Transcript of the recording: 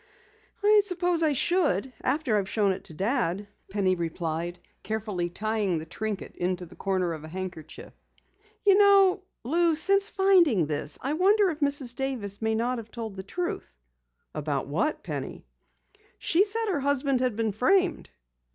"I suppose I should, after I've shown it to Dad," Penny replied, carefully tying the trinket into the corner of a handkerchief. "You know, Lou, since finding this, I wonder if Mrs. Davis may not have told the truth." "About what, Penny?" "She said that her husband had been framed."